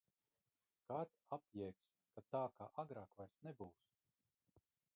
Kad apjēgsi, ka tā kā agrāk vairs nebūs?